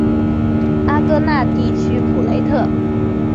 阿戈讷地区普雷特。